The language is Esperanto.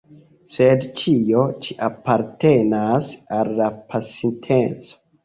Sed ĉio ĉi apartenas al la pasinteco.